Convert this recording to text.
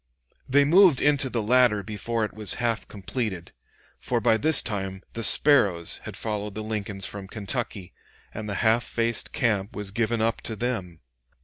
They moved into the latter before it was half completed; for by this time the Sparrows had followed the Lincolns from Kentucky, and the half faced camp was given up to them.